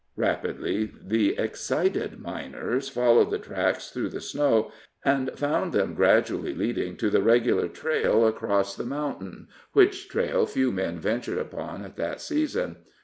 Rapidly the excited miners followed the tracks through the snow, and found them gradually leading to the regular trail across the mountain, which trail few men ventured upon at that season.